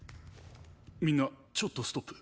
みんなちょっとストップ。